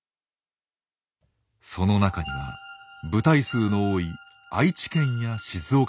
その中には部隊数の多い愛知県や静岡県も。